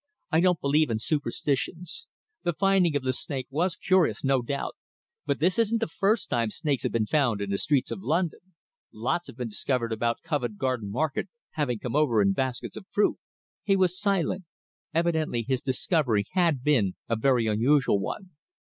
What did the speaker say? "I don't believe in superstitions. The finding of the snake was curious, no doubt, but this isn't the first time snakes have been found in the streets of London. Lots have been discovered about Covent Garden Market, having come over in baskets of fruit." He was silent. Evidently his discovery had been a very unusual one.